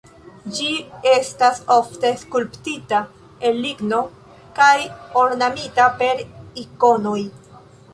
Ĝi estas ofte skulptita el ligno kaj ornamita per ikonoj.